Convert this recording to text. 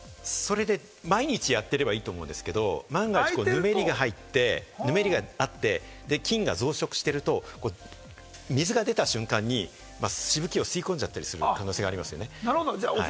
毎日やってればいいと思うんですけれども、万が一、ぬめりが入って、ぬめりがあって菌が増殖してると、水が出た瞬間にしぶきを吸い込んじゃったりする可能性がありますよね。